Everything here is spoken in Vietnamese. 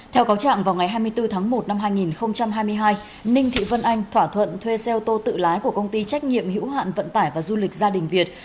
theo cáo trạng vào ngày hai mươi bốn tháng một năm hai nghìn hai mươi hai ninh thị vân anh thỏa thuận thuê xe ô tô tự lái của công ty trách nhiệm hữu hạn vận tải và du lịch gia đình việt